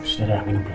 sudahlah minum dulu